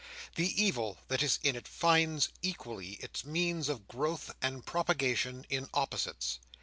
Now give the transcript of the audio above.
The evil that is in it finds equally its means of growth and propagation in opposites.